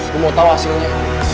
gue mau tau hasilnya